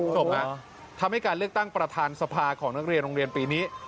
ชมทำให้การเลือกตั้งประธานสภาของนักเรียนโรงเรียนปีนี้